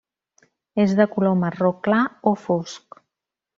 És de color marró clar o fosc.